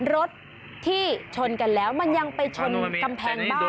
รถที่ชนกันแล้วมันยังไปชนกำแพงบ้าน